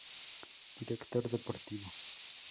Director deportivo.